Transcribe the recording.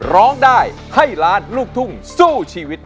ร้องได้ให้ล้านลูกทุ่งสู้ชีวิต